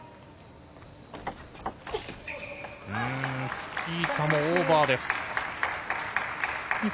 チキータもオーバーです。